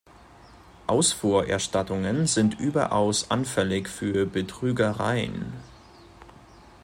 Ausfuhrerstattungen sind überaus anfällig für Betrügereien.